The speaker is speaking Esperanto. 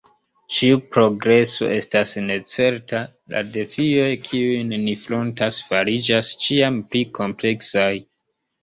Ĉiu progreso estas necerta; la defioj, kiujn ni frontas, fariĝas ĉiam pli kompleksaj.